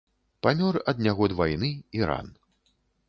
Памёр ад нягод вайны і ран.